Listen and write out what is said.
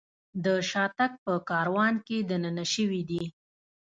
د شاتګ په کاروان کې دننه شوي دي.